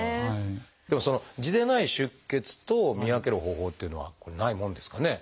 でも痔でない出血と見分ける方法っていうのはないもんですかね？